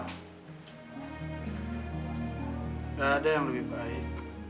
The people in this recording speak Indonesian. tidak ada yang lebih baik